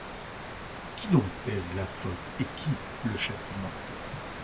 Qui donc pèse la faute? et qui le châtiment ?